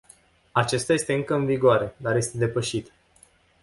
Acesta este încă în vigoare, dar este depășit.